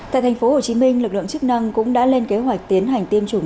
tại thành phố hồ chí minh lực lượng chức năng cũng đã lên kế hoạch tiến hành tiêm chủng